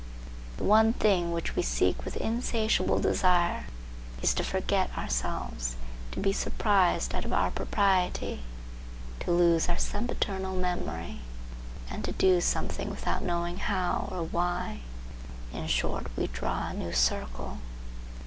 The one thing which we seek with insatiable desire is to forget ourselves, to be surprised out of our propriety, to lose our sempiternal memory and to do something without knowing how or why; in short to draw a new circle.